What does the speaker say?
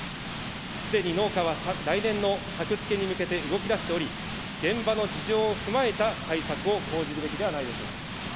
すでに農家は来年の作付けに向けて動きだしており、現場の事情を踏まえた対策を講じるべきではないでしょうか。